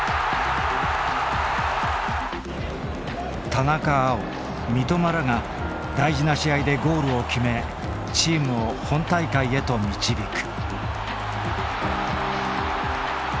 田中碧三笘らが大事な試合でゴールを決めチームを本大会へと導く。